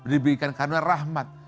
diberikan karunia rahmat